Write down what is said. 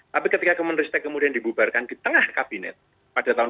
tapi ketika kemenristek kemudian dibubarkan di tengah kabinet pada tahun dua ribu